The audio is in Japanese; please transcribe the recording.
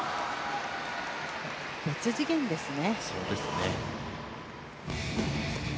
別次元ですね。